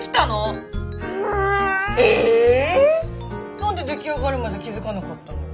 何で出来上がるまで気付かなかったのよ。